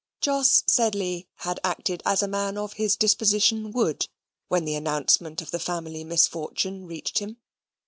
Jos Sedley had acted as a man of his disposition would, when the announcement of the family misfortune reached him.